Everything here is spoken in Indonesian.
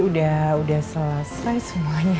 udah selesai semuanya